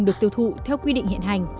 được tiêu thụ theo quy định hiện hành